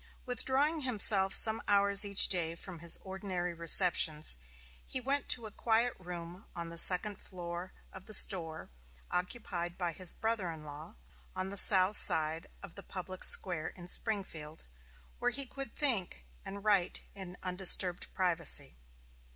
Withdrawing himself some hours each day from his ordinary receptions, he went to a quiet room on the second floor of the store occupied by his brother in law, on the south side of the public square in Springfield, where he could think and write in undisturbed privacy.